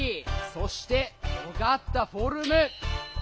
そしてとがったフォルム。